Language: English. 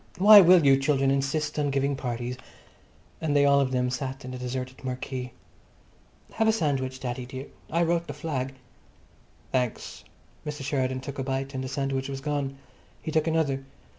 Why will you children insist on giving parties!" And they all of them sat down in the deserted marquee. "Have a sandwich, daddy dear. I wrote the flag." "Thanks." Mr. Sheridan took a bite and the sandwich was gone. He took another.